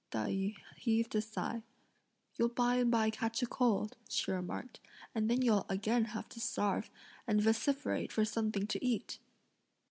Tai yü heaved a sigh. "You'll by and by catch a cold," she remarked, "and then you'll again have to starve, and vociferate for something to eat!"